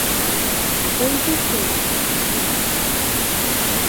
ঐ যে সে।